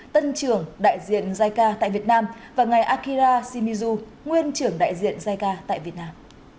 tân trưởng đại diện giai ca tại việt nam và ngài akira shimizu nguyên trưởng đại diện giai ca tại việt nam